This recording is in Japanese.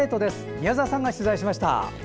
宮澤さんが取材しました。